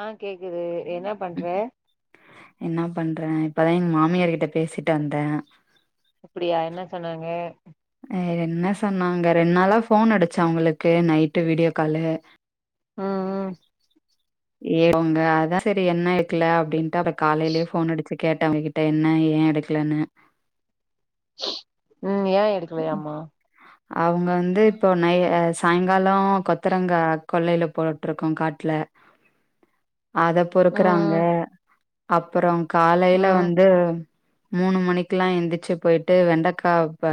ஆ கேக்குது என்ன பண்ற என்ன பண்றே இப்பதா எங்க மாமியார் கிட்ட பேசிட்டு வந்தே அப்டியா என்ன சொன்னாங்க ஆ என்ன சொன்னாங்க ரெண்டு நாளா போன் அடிச்ச அவுங்களுக்கு நைட்டு வீடியோ காலு ம் ம் ஏ உங்க அதா சரி என்ன இருக்கல அப்டின்ட்டு காலையிலே போன் அடிச்சு கேட்ட அவுங்ககிட்ட என்ன ஏய எடுக்கலன்னு ம் ஏய எடுக்கலையாமா ஆஹ் அவங்க வந்து இப்போ நை சாயங்காலோ கொத்தரங்க கொல்லையில போட்டுருக்கோ காட்ல அத பொறுக்குறாங்க ம் அப்பறோ காலையில ம் வந்து மூணு மணிக்கெல்லா எந்திச்சு போயிட்டு வெண்டக்கா ப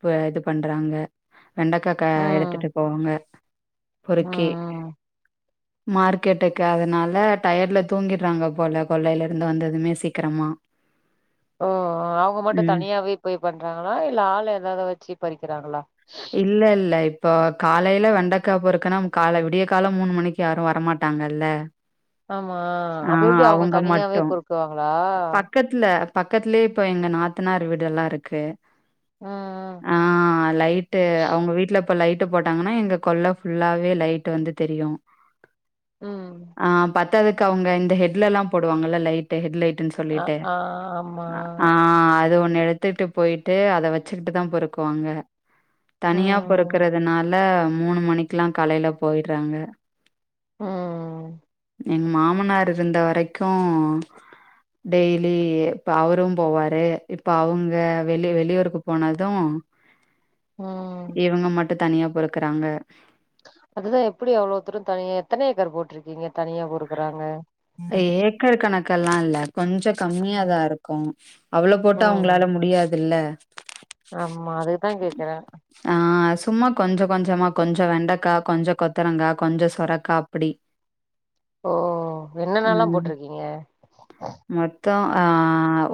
ப இது பண்றாங்க வெண்டக்கா கா ம் ம் எடுத்துட்டு போவாங்க பொறுக்கி ம் மார்க்கெட்டுக்கு அதனால டயர்ல தூங்கிடுறாங்க போல கொள்ளையில இருந்து வந்ததுமே சீக்கிரமா ஓ அவுங்க மட்டும் ம். தனியாவே போய் பண்றாங்களா இல்ல ஆளு ஏதாவது வச்சு பறிக்கிறாங்களா இல்ல இல்ல இப்போ காலைல வெண்டைக்கா பொறுக்குனா கால விடிய கால மூணு மணிக்கு யாரு வரமாட்டாங்கல்ல ஆமா ஆ. அப்ப எப்டி அவுங்க அவங்க தனியாவே பொறுக்குவாங்களா இல்ல பக்கத்துலயே இப்ப எங்க நாத்தனார் வீடு எல்லா இருக்கு ம் ஆஹ் லைட்டு அவுங்க வீட்ல இப்ப லைட்டு போட்டாங்கன்னா எங்க கொள்ள ஃபுல்லாவே லைட் வந்து தெரியு ம் ஆஹ் பத்தாததுக்கு அவுங்க இந்த ஹெட்ல எல்லா போடுவாங்கல்ல லைட் ஹெட் லைட்டுனு அ சொல்லிட்டு ஆ ஆ, ஆமா ஆஹ அது ஒன்னு எடுத்துட்டு போய்ட்டு அத வச்சுக்கிட்டு தா பொருக்குவாங்க தனியா ம் பொறுக்குறதுனால மூணு மணிக்குல்லா காலைல போய்டுறாங்க ம் எங்க மாமனார் இருந்த வரைக்கும் டெய்லி இப்போ அவரு போவாரு இப்போ அவுங்க வெளி வெளியூருக்கு போனது ம் இவங்க மட்டும் தனியா பொருக்குறாங்க அதுதா எப்டி அவ்வளோ தூரோ தனியா எத்தன ஏக்கர் ஏக்கர் போட்டு இருக்குக்கிங்க தனியா பொறுக்குறாங்க ஏக்கர் கணக்கல்லா இல்ல கொஞ்சோ ம் கம்மியாதா இருக்கும் ம் அவ்ளோ போட்டா ம் அவங்களால முடியாதுல்ல ஆமா அதுக்குதா கேக்குற ஆ சும்மா கொஞ்சோ கொஞ்சமா கொஞ்சோ வெண்டக்கா கொஞ்சோ கொத்தரங்கா கொஞ்சோ சொரக்கா அப்டி ஓ என்னென்னல்லா ம் போட்ருக்கீங்க மொத் தோ ஆ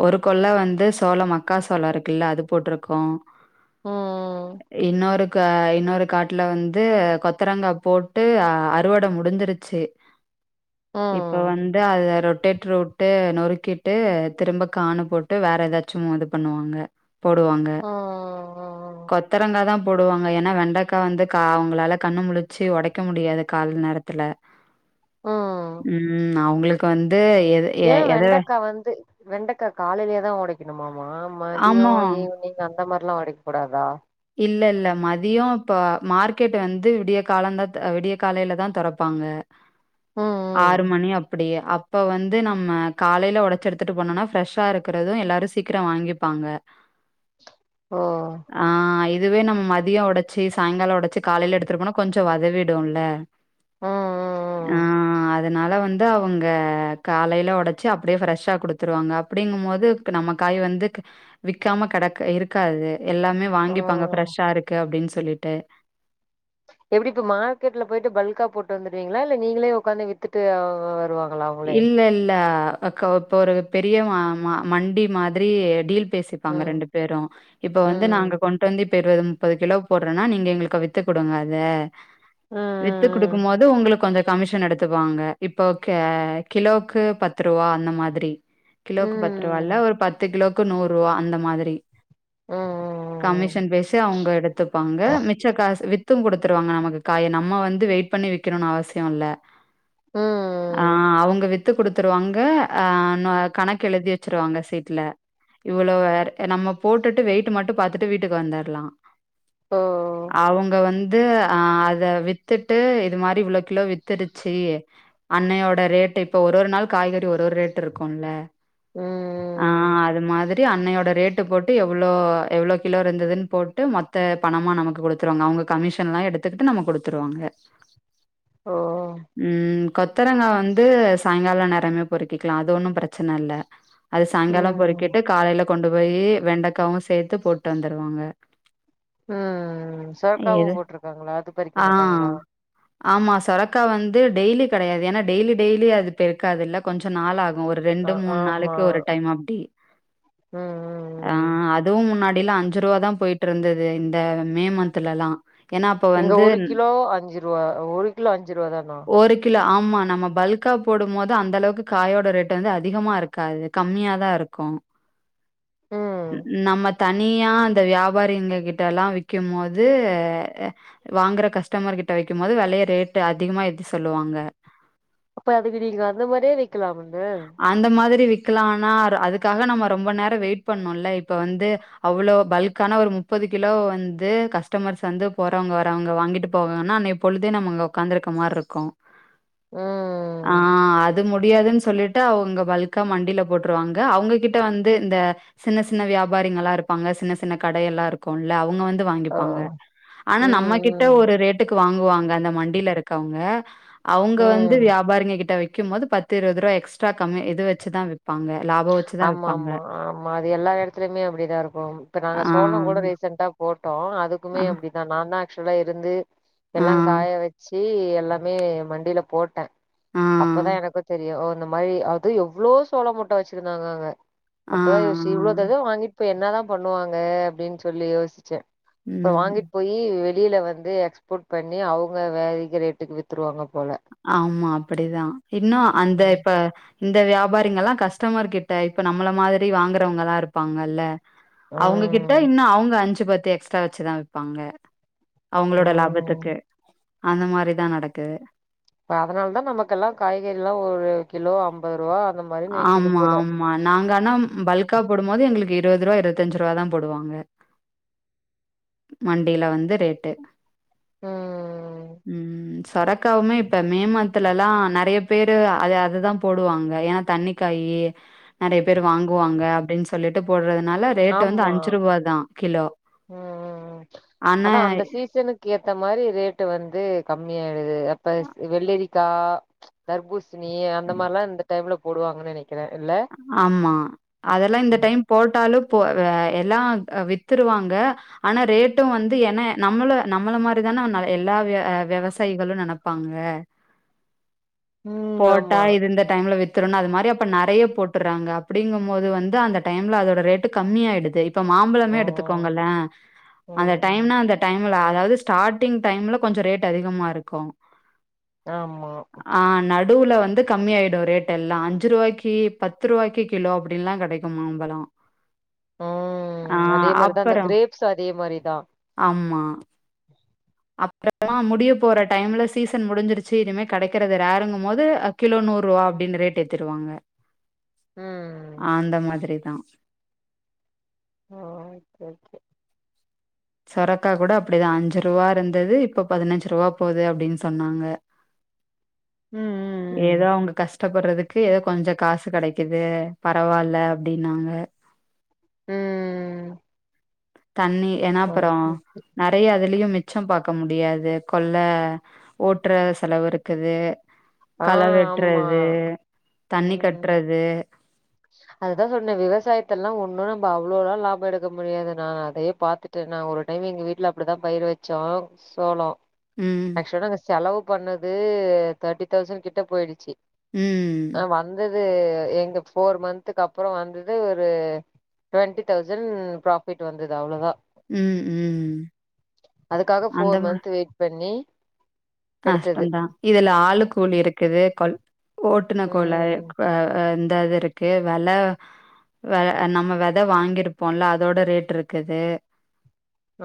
ஒரு கொள்ள வந்து சோள மக்காசோள இருக்குல்ல அது போட்ருக்கோ ம் இன்னொரு கா இன்னொரு காட்டுல வந்து கொத்தரங்கா போட்டு அறுவட முடிஞ்சுருச்சு இப்போ ம் வந்து அத ரொட்டேட்ரு உட்டு நொறுக்கிட்டு திரும்ப காணு போட்டு வேற எதாச்சும் இது பண்ணுவாங்க போடுவாங்க ம் ம் கொத்தரங்கா தா போடுவாங்க ஏன்னா வெண்டக்கா வந்து கா அவங்களால கண்ணு முளிச்சு ஒடைக்க முடியாது கால்ல நேரத்துல ம் ம் அவங்களுக்கு வந்து எது எ ஏய எத வெண்டக்கா வந்து வெண்டக்கா காலைலயே தா ஒடைக்கணுமாமா ஆமா. மதியம் ஈவ்னிங் அந்த மாரிலா ஒடைக் கூடாதா இல்லல்ல மதியம் இப்போ மார்க்கெட்டு வந்து விடிய காலங் காத்த விடிய காலைல தா தொறப்பாங்க ம் ஆறு ம் மணி அப்டிய அப் ப்ப வந்து நம்ம காலைல ஒடச்சு எடுத்துட்டு போனோனா ஃப்ரெஷ்ஷா இருக்குது எல்லாரும் சீக்ரோ வாங்கிப்பாங்க ஓ ஆ இதுவே நம் மதியம் ஒடச்சு சாயங்காலம் ஒடச்சு காலைல எடுத்துட்டு போனா கொஞ்சம் வதவிடும்ல ம் ஆ ம் அத் அதனால வந்து அவங்க காலைல ஒடச்சு அப்டியே ஃப்ரெஷ்ஷா குடுத்துருவாங்க அப்டிங்கும்போது நம்ம காய் வந்து விக்காம கெடக் இருக்காது எல்லாமே ம் வாங்கி ம் ஷா இருக்கு அப்டின் சொல்லிட்டு எப்டி இப்ப மார்க்கெட்ல போயிட்டு பல்கா போட்டு வந்துருவீங்ளா இல்ல நீங்களே உக்காந்து வித்துட்டு வா வருவாங் இல்லல்ல அக்கா இப்ப ஒரு பெரிய ம ம மண்டி மாதிரி டீல் பேசிப்பாங்க ம் ரெண்டு பேரும் இப்ப வந்து ம் நாங்க கொண் வந்திப் இருவ முப்பது கிலோ போட்றேன்னா நீங்க எங்களுக்கு வித்து குடுங்க அத வித்து ம் குடுக்குமோது உங்ளுக் கொஞ்சோ கமிஷன் எடுத்துக்வாங்க இப்ப கே கிலோக்கு பத்து ருவா அந்த மாதிரி கிலோக்கு பத்து ருவால்ல ம் ஒரு பத்து கிலோக் கு நூறுவா அந்த மாதிரி ம் ம் ம் கமிஷன் பேசி அவங்க எடுத்துப்பாங்க மிச்ச காசு வித் த்தும் குடுத்துருவாங்க நமக்கு காய நம்ம வந்து வெயிட் பண்ணி விக்கணுன் அவசியோ இல்ல ம் ம் ஆ ம் ம் ம் அவ் வித்து குடுத்துருவாங்க ஆனா கணக்கு எழுதி வச்சிருவாங்க சீட்ல இவ்ளோ வேற நம்ம போட்டுட்டு வெயிட்டு மட்டு பாத்துட்டு வீட்டுக்கு வந்துர்லா ஓ அவங்க வந் து ஆ அத வித்துட்டு இது மாரி இவ்ளோ கிலோ வித்துடுச்சு அன்னையோட ரேட்டுக் இப்ப ஒரு ஒரு நாள் காய்கறி ஒரு ஒரு ரேட் இருக்கும்ல ஆ ம் அது மாதிரி டு அன்னையோட ரேட்டு போட்டு எவ்ளோ எவ்ளோ கிலோ இருந்துதுன் போட்டு மொத்த பணமா நமக்கு குடுத்துருவாங்க அவங்க கமிஷன்லா எடுத்துக்கிட்டு நமக் குடுத்துருவாங்க ஓ ம் கொத்தரங்கா வந்து சாய்ங்கால நேரமே பொறுக்கிக்கலா அது ஒன்னும் பிரச்சன இல்ல அது சாய்ங்கால ம் பொறுக்கிட்டு காலைல கொண்டு போயி வெண்டக்காவும் சேத்து போட்டு வந்துருவாங்க ம் ம் சொரக்காவு எது போட்ருக்காங்ளா அது பறிக்க ஆ மாட்டாங்களா ஆமா சொரக்கா வந்து டெய்லி கெடையாது ஏன்னா டெய்லி டெய்லி அது பெருக்காது இல்ல கொஞ்சம் நாள் ஆகும் ஒரு ஆ ரெண்டு மூண் ஆமா நாளுக்கு ஒரு டைம் அப்டி ம் ம் ஆ ம் அது அதுவும் முன்னாடிலா அஞ்சுருவா தா போயிட்டு இருந்துது இந்த மே மந்த்துலலா இங்க ஒரு கிலோ அஞ்சு ருவா ஒரு கிலோ அஞ்சு ருவா தானா ஒரு கிலோ ஆமா நம்ம பல்க்கா போடும் மோது அந்த அளவுக்கு காயோட ரேட்டு வந்து அதிகமா இருக்காது கம்மியா தா இருக்கு ம் நம்மத் தனியா அந்த வியாபாரிங்க கிட்டலா விக்கும்போது வாங்குற கஸ்டமர் கிட்ட விக்கும் போது வெலய ரேட்டு அதிகமா எத்தி சொல்லுவாங்க அப்ப அதுக்கு நீங்க அந்த மாரியே விக்கலாமுங்க அந்த மாதிரி விக்கலா ஆனா அதுக்காக நம்ம ரொம்ப நேரம் வெயிட் பண்ணும்ல இப்போ வந்து அவ்ளோ பல்க்கான ஒரு முப்பது கிலோ வந்து கஸ்டமர்ஸ் வந்து போறவங்க வரவங்க வாங்கிட்டு போவாங்கன்னா பொழுதே நம்ம இங்க ஒக்காந்துருக்க மாரிருக்கோ ம் ஆ அது முடியாதுன் சொல்லிட் டு அவங்க பல்க்கா மண்டில போட்டுருவாங்க அவங்ககிட்ட வந்து இந்த சின்ன சின்ன வியாபாரிங்கல்லா இருப்பாங்க சின்ன சின்ன கடையெல்லா இருக்கு ல்ல அவங்க வந்து ஓ வாங்கிப்பாங்க ஆனா நம்ம கிட்ட ம் ஒரு ரேட் டுக்கு வாங்குவாங்க அந்த மண்டில இருக்கவங்க ம் அவங்க வந்து ம் வியாபாரிங்க கிட்ட வைக்கும் போது பத்து து இருவது ருவா எக்ஸ்ட்ரா கம்மி இது வச்சுதா இருப்பாங்க லா ஆமா ஆமா ஆமா அது எல்லா எடத்துலயுமே அப்டிதா இருக்கு இப்ப நாங்க ஆ சோழோ கூட ரீசன்டா போட்டோ அதுக்குமே ஆ அப்டிதா நான்தா ஆக்சுவலா அப்டிதா இருந்து ஆ எல்லா காய வச்சு எல்லாமே மண்டில போட்டே ஆ அப்பதா எனக்கு தெரியு இந்த மாரி அது எவ்ளோ சோள மூட்ட வச்சுருந்தாங்க அங்க ஆ ஆ அப்பதா யோசிச்சே இவ்ளோ தத வாங்கிட் போய் என்னதா பண்ணுவாங்க அப்டின் சொல்லி யோசிச்சே அப்புற ம் வாங்கிட் போயி வெளில வந்து எக்ஸ்போர்ட் பண்ணி அவங்க வேதிக ரேட்டுக்கு வித் ருவாங்க போல ஆமா அப்டிதா இன்னு அந்த ம் இப்ப இந்த வியாபாரிங்கல்லா கஸ்டமர் கிட்ட இப்ப நம்மள மாதிரி வாங்குறவங்கல்லா இருப்பாங்கல்ல அவங்ககிட்ட ம் இன்னு அவுங்க அஞ்சு பத்து எக்ஸ்ட்ரா வச்சுதா விப்பாங்க அவங்களோட லாபத்துக்கு ம் அந்த மாரிதா நடக்குது இப்ப அதனால தான் நமக்குெல்லா காய்கறில்லா ஒரு கிலோ ஐம்பது ருவா அந்த மாரின் விக்குது ஆமா போல ஆமா நாங்க ஆனா பல்கா போடும்போது எங்களுக்கு இருபது ருவா இருவத்தஞ்சு ருவாதா போடுவாங்க மண்டில வந்து ரேட்டு ம் ம் சொரக்கவுமே இப்ப மே மனத்துலலா நெறைய பேரு அது அததா போடுவாங்க ஏன்னா தண்ணிக்காய் நெறைய பேர் வாங்குவாங்க அப்டின் சொல்லிட்டு போட்றதுனால ரேட் வந்து ஆமா அஞ்சு ருவாதா கிலோ ம் ம் ஆனா க்கு ஏத்த மாரி ரேட்டு வந்து கம்மிய ஆயிடுது அப்ப வெள்ளரிக்கா தர்பூசணி அந்த மார்லா இந்த டைம்ல போடுவாங்கன்னு நெனைக்கிறே இல்ல ஆமா அதெல்லா இந்த டைம் போட்டாலும் போ எல்லா வித்துருவாங்க ஆனா ரேட்டு வந்து ஏன்ன நம்மள நம்மள மாதிரிதானே எல்லா் வெவசாயிகளு நினைப் ப்பாங்க ம் போட்டா ஆமா இது இந்த டைம்ல வித்துறன்னு அது மாரி அப்ப நெறைய போட்டுறாங்க அப்டிங்கும் போது வந்து அந்த டைம்ல அதோட ரேட்டு் கம்மிய ஆயிடுது இ இப்ப மாம்பழமே ஆ எடுத்துக்கோங்கல்லே அந்த ம் டைம்னா அந்த டைம்ல அதாது ஸ்டார்டிங் டைம்ல கொஞ்ச ரேட் அதிகமா இருக்கு ஆமா ஆ நடுல வந்து கம்மி ஆயிடு ரேட் எல்லா அஞ்சு ருவாய்க்கு பத்து ருபாய்க்கு கிலோ அப்டின்லா கெடைக்கு மாம்பழ ம் அதே மாரிதா இந்த அப்பறோ க்ரேப்ஸ் அதே மாரிதா ஆமா அப்புறமா முடிய போற டைம்ல சீசன் முடிஞ்சிருச்சு இனிமே கெடைக்கறது ரேருங்கும் போது கிலோ நூறு ருவா அப்டினு ரேட் ஏத்துடுவாங்க ம் அந்த மாதிரிதா ஓ ஓக்கே ஓக்கே சொரக்கா கூட அப்டிதா அஞ்சு ருவா இருந்துது இப்ப பதினஞ்சு ருவா போது அப்டின்னு சொன்னாங்க ம் ஏதோ ம் அவுங்க கஷ் ட்டபட்றதுக்கு ஏதோ கொஞ்ச காசு கெடைக்குது பரவால்ல அப்டின்னாங்க ம் ம் ம் தண்ணி ஏனா அப்பறோ ந ஓகே நெறயா அதுலயு மிச்சோ பாக்க முடியாது கொள்ள ஓட்ற செலவு இருக்குது ஆ கள ஆமா வெட்றது தண்ணி ம் கட்றது அதுதா சொன்னே விவசாயத்லல்லா ஒன்னு நம்ம அவ்ளோலா லாபோ எடுக்க முடியாது நா அதயே பாத்து து நா ஒரு டைம் எங்க வீட்ல அப்டிதா பயிர் வச்சோ சோளோ ம் ஆக்சுவலா நாங்க செலவு பண்ணது தர்ட்டி தௌசண்ட் கிட்ட போயிடுச்சி ம் ஆ வந்தது எங்க ஃபோர் மந்த்கப்பறோ வந்து ஒரு ட்வெண்ட்டி தௌசண்ட் ப்ராஃபிட் வந்துது அவ்ளோதா ம் ம் அதுக்காக அந்த ஃபோர் மந்த்‌ வெயிட் பண்ணி எடுத்தது நஷ்டோந்தா இதுல ஆளு கூலி இருக்குது கொல் ஓட்டுன கோல ம் ஆ‌ ஆ இந்தது இருக்கு வெல வெ நம்ம வெத வாங்கிருப்போல அதோட ரேட் இருக்குது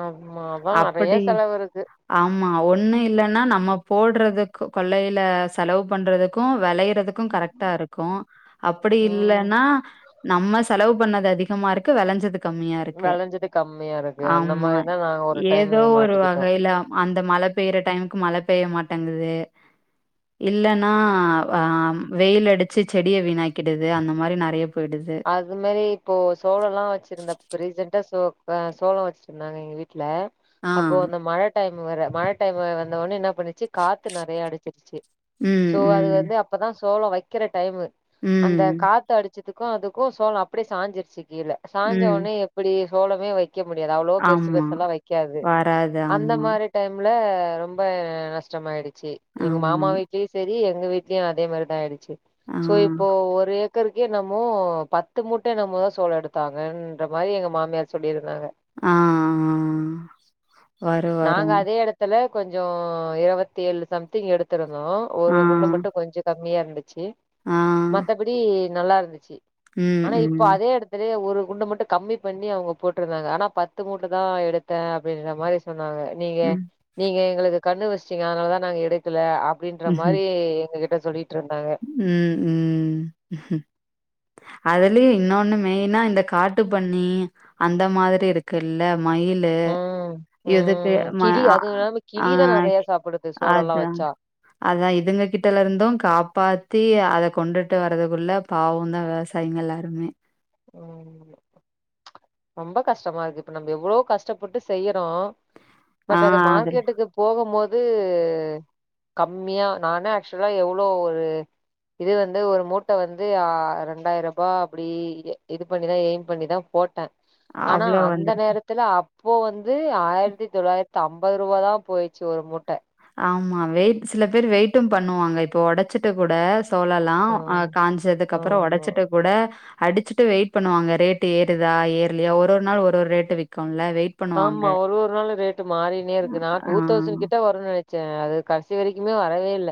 ஆமா அதா அப்படி நெறயா செலவு இருக்கு ஆமா ஒண்ணு இல்லனா நம் நம்ம போட்றது கொள்ளையில செலவு பண்றதுக்கு வெளையறது க்கு கரெக்டா இருக்கு அப்டி ம் இல்லேனா நம்ம செலவு பண்ணது அதிகமா இருக்கு வெளஞ்சது கம்மியா இருக்கு வெளஞ்சது கம்மியா இருக்கு அந்த ஆமா மாரிதா நாங்க ஒரு டைம் ஏதோ ஒரு மாட்டிக்கிட்டோ வகையில அந்த மழ பெய்ற டைமுக்கு மழ பெய்ய மாட்டேங்குது இல்லன்னா வ ஆ வெயில் அடுச்சு செடிய வீணாக்கிடுது அந்த மாரி நெறயா போய்டுது அதுமாரி இப்போ சோளோலா வச்சுருந்த இப்ப ரீசண்டா சோ அ சோளோ வச் ருந்தாங்க எங்க வீட்ல ஆ அப்போ அந்த மழ டைம் வேற மழ டைம் வந்தவொனே என்ன பண்ணுச்சு காத்து நெறைய அடுச்சுருச்சு ம் சோ அது ம் வந்து அப்பதா சோளோ வெக்கிற டைமு ம் அந்த காத்து அடுச்சதுக்கு அதுக்கு சோளோ அப்டியே சாஞ்சுருச்சு கீழ சாஞ்ச ம் ஒனே இப்டியே சோளமே வைக்க முடியாது அவ்ளோவோ பெருசு ஆமா பெருசால்லா வைக்காது வராது. அந்த ஆமா, மாரி டைம்ல ரொம்ப நஷ்டமாயிடுச்சு எங்க ஆமா. மாமா வீட்லயு செரி எங்க வீட்லயு அதே மாரிதா ஆய்டுச்சு ஆ, சோ இப்போ ஒரு ஏக்கருக்கே நம் மோ பத்து மூட்ட என்னமோதா சோளோ எடுத்தாங்கன்ற மாரி எங்க மாமியார் சொல்லிருந்தாங்க ஆ, ஆ. வரும், நாங்க வரும். அதே எடத் த்துல கொஞ்சோ இருவத்தேழு சம்திங் எடுத்திருந்தோ ஒரு ஆ, குண்டு மட்டு கொஞ்சோ கம்மியா இருந்து சு ஆ. மத்தபடி நல்லா இருந்துச்சு ம், ஆனா இப்ப ம். அதே எடத் துலேயே ஒரு குண்ட மட்டு கம்மி பண்ணி அவுங்க போட்ருந்தாங்க ஆனா பத்து மூட்ட தா எடுத்தே அப்டின்ற மாரி சொன்னாங்க நீங்க ம். நீங்க எங்குளுக்கு கண்ணு வச்டீங்க அதுனாலதா நாங்க எடுக்கல அப்டின்ற ம்ஹ்ம். மாரி எங்க கிட் ட சொல்லிட்ருந்தாங்க ம் ம் அதுலயு இன்னோன்னு மெயினா இந்த காட்டு பன்னி அந்த மாதிரி இருக்குல்ல மயில் லு ம் எதுக்கு ம் ம கிளி ஆ அதுவு இல்லாம அ ஆ கிளிதா நெறைய சாப்புடுது சோளோல்லா அதா வச்சா அதா இதுங்க கிட்டல இருந்து காப் பாத்தி அத கொண்டுட்டு வரதுக்குள்ள பாவோதா விவசாயிங்க எல்லாருமே ஓ ரொம்ப கஷ்டமா இருக்கு இப்ப நம்ப எவ்வளோ கஷ்டப்பட்டு செய்யறோ ஆ பட் அது அதில் மார்க்கெட்டுக்கு போகும்மோது கம்மியா நானே ஆக்சுவலா எவ்ளோ ஒரு இது வந்து ஒரு மூட்ட வந்து ஆ ரெண்டாயிரபா அப்படி இது பண்ணிதா எய்ம் பண்ணிதா போட்டே ஆனா அவ்ளோ அந்த வந்துரு நேரத் துல அப்போ வந்து ஆயிரத்தி தொள்ளாயிரத்தம்பதுருபாதா போய்ச்சு ஒரு மூட்ட ஆமா வெயிட் சில பேர் வெயிட்டும் பண்ணுவாங்க இப்ப ஒடச்சிட்டு கூட தோலல்லா ஆ அ காஞ்சதுக்கு அப்புறோ ஆமா ஒடச்சிட்டு கூட அடிச்சுட்டு வெயிட் பண்ணுவாங்க ரேட்டு ஏறுதா ஏற்லியா ஒரு ஒர் நாள் ஒரு ஒர் ரேட்டு விக்குல வெயிட் பண்ணுவாங்க. ஆமா ஒரு ஒரு நாளு ரேட்டு மாறினே இருக்கு நா ஆ டூ தௌசண்கிட்ட வ ரு நெனச்சே அது கட்சி வெரிக்குமே வரவே இல்ல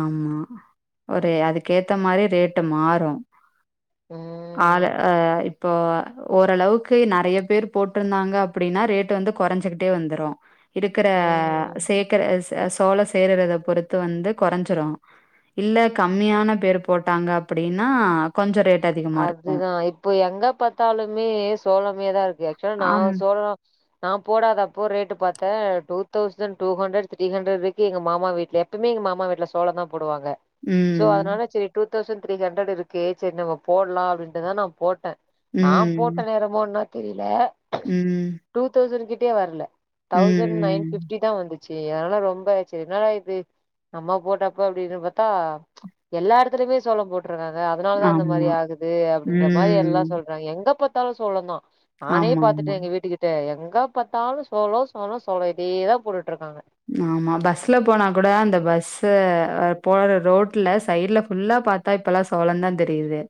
ஆமா ஒரு அதுக்கேத்த மாரி ரேட்டு மாறு ஆல ம் ஆ இ இப்போ ஓரளவுக்கு நறைய பேரு போட்டிருந்தாங்க அப்படின்னா ரேட்டு் வந்து கொறஞ்சுகிட்டே வந்துரு இருக்கிற ம் சேக்கர ச சோளோ சேருரத பொறுத்து வந்து கொறஞ்சிரு இல்ல கம்மியான பேரு போட்டாங்க அப்படின்னா கொஞ்சோ ரேட் அதிகமா இருக்கும். அதுதா இப்போ எங்க பாத்தாலுமே சோளமேதா இருக்கு ஆக்சுவலா நா ஆம். சோளோ நா போடாத அப்போ ரேட்டு பாத்தே two thousand two hundred three ஹண்ட்ரட்ருக்கு எங்க மாமா வீட்ல்யே எப்பிமே எங்க மாமா வீட்ல சோளந்தா போடுவாங்க சோ ம். அதனால செரி டூ தௌசண்ட் த்ரீ ஹண்ட்ரடிருக்கே செர் நம்ம போட்லா அப்டின்ட்டுதா நா போட்ட நா ம். போட்ட நேரமோ என்ன தெரியில ம் டூ தௌசணு கிட்டயே வரல தௌசண் நைன் ஃபிப் ம். டி தா வந்துச்சு அதனால ரொம்ப ச என்னடா இது நம்ம போட்டப்ப அப்டினு பாத்தா எல்லா எடத்துலயுமே சோளம் போட்ருக்காங்க அதனாலதா இந்த மாரி ஆமா. ஆகுது அப்டின்ற மாரி எல்லா ம். சொல் றாங்க எங்க பாத்தாலு சோளந்தா நானே ஆமா, ஆமா. பாத்துட்டு எங்க வீட்டுக்கிட் ட எங்க பாத்தாலு சோளோ சோளோ சோளோ இதேதா போட்டுட்ருக்காங்க ஆமா பஸ்ல போனா கூட அந்த பஸ்ஸ அ போற ரோட்ல சைட்ல ஃபுல்லா பாத் தா இப்பெல்லா சோளந்தா தெரியிது